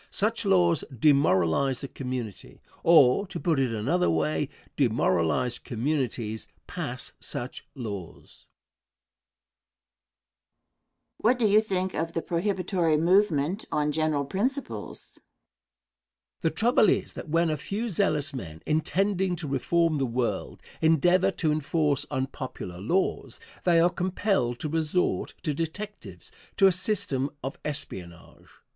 Such laws demoralize the community, or, to put it in another way, demoralized communities pass such laws. Question. What do you think of the prohibitory movement on general principles? Answer. The trouble is that when a few zealous men, intending to reform the world, endeavor to enforce unpopular laws, they are compelled to resort to detectives, to a system of espionage.